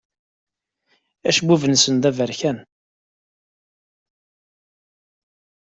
Acebbub-nsen d aberkan.